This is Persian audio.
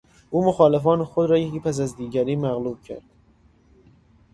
او مخالفان خود را یکی پس از دیگری مغلوب کرد.